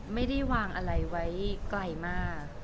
ไม่ได้วางอะไรไว้ไกลมาก